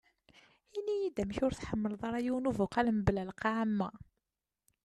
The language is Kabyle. Ini-yi-d amek ur tḥemleḍ ara yiwen ubuqal mebla lqaɛ am wa.